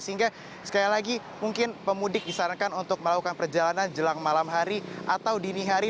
sehingga sekali lagi mungkin pemudik disarankan untuk melakukan perjalanan jelang malam hari atau dini hari